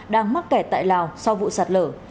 đang mắc kẹt tại lào sau vụ sạt lở